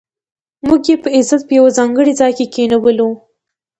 موږ یې په عزت په یو ځانګړي ځای کې کېنولو.